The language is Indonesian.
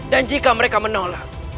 dan jika mereka menolak